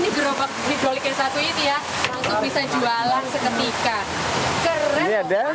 karena anginnya kenceng